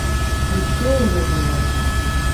Усё ў ёй было.